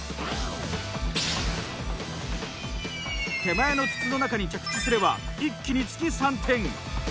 手前の筒の中に着地すれば１機につき３点。